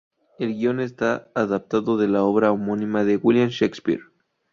El guion está adaptado de la obra homónima de William Shakespeare.